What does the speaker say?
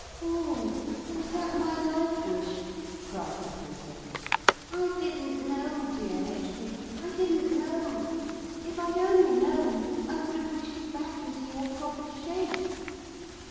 'Oh, was that my life wish?' cried the Princess. 'I didn't know, dear Hedge pig, I didn't know. If I'd only known, I would have wished you back into your proper shape.'